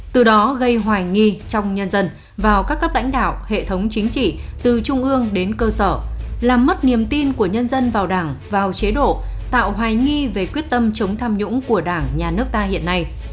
từ đó gây hoài nghi trong nhân dân vào các cấp lãnh đạo hệ thống chính trị từ trung ương đến cơ sở làm mất niềm tin của nhân dân vào đảng vào chế độ tạo hoài nghi về quyết tâm chống tham nhũng của đảng nhà nước ta hiện nay